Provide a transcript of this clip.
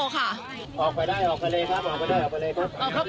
ข้องแขนกันนะกะข้องแขนในการทำเป็นโล่กะ